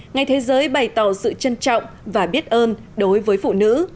ngày thế giới bày tỏ sự trân trọng và biết ơn đối với phụ nữ